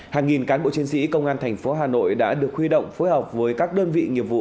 hàng nghìn cán bộ chiến sĩ công an thành phố hà nội đã được huy động phối hợp với các đơn vị nghiệp vụ